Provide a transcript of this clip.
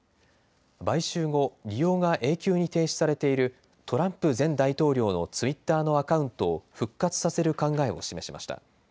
買収後、利用が永久に停止されているトランプ前大統領のツイッターのアカウントを復活させる考えを示しました。